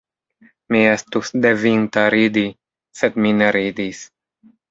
Mi estus devinta ridi, sed mi ne ridis.